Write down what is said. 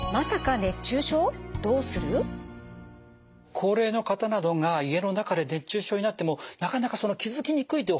高齢の方などが家の中で熱中症になってもなかなか気付きにくいというお話がありました。